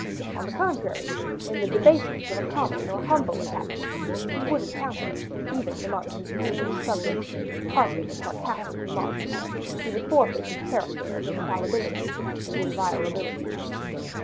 On the contrary, in the debasement of a common or humble attachment, he would encounter, even among his meanest subjects, carping and sarcastic remarks; he would forfeit his character of infallibility and inviolability.